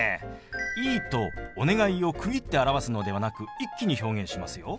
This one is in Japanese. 「いい」と「お願い」を区切って表すのではなく一気に表現しますよ。